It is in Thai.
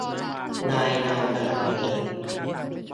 รายงานฉบับนี้